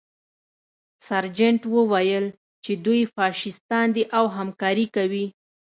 سرجنټ وویل چې دوی فاشیستان دي او همکاري کوي